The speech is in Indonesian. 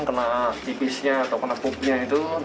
kena tipisnya atau kena pupnya itu